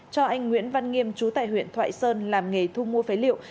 cho anh nguyễn văn nghiêm chú tại huyện thoại sơn làm nghề thu mua phế liệu